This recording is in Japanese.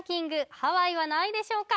ハワイは何位でしょうか？